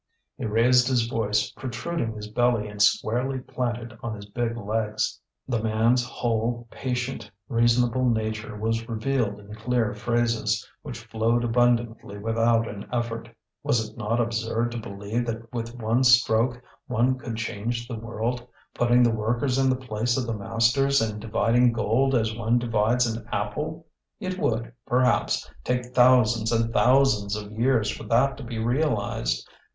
He raised his voice, protruding his belly and squarely planted on his big legs. The man's whole patient, reasonable nature was revealed in clear phrases, which flowed abundantly without an effort. Was it not absurd to believe that with one stroke one could change the world, putting the workers in the place of the masters and dividing gold as one divides an apple? It would, perhaps, take thousands and thousands of years for that to be realized.